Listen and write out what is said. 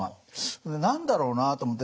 それで何だろうなと思って。